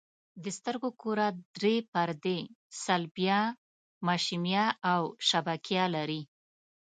د سترګو کره درې پردې صلبیه، مشیمیه او شبکیه لري.